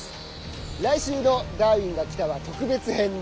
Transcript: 来週の「ダーウィンが来た！」は特別編です。